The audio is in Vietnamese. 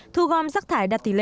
thu gom rắc thải đạt tỷ lệ